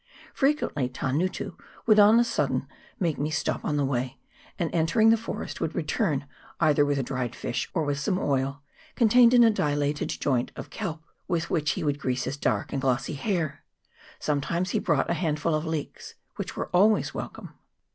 Frequently Tangutu would on a sudden make me stop on the way, and, entering the forest, would return either with a dried fish, or with some oil, contained in a dilated joint of kelp, with which he would grease his dark and glossy hair ; sometimes he brought a handful of leeks, which were always welcome.